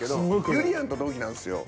ゆりやんと同期なんすよ。